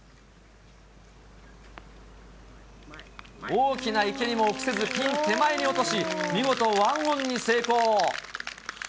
大きな池にも臆せず、ピン手前に落とし、見事、ワンオンに成功。